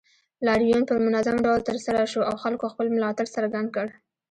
لاریون په منظم ډول ترسره شو او خلکو خپل ملاتړ څرګند کړ